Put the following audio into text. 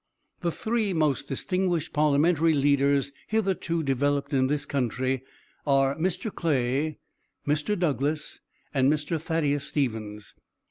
"The three most distinguished parliamentary leaders hitherto developed in this country are Mr. Clay, Mr. Douglas, and Mr. Thaddeus Stevens.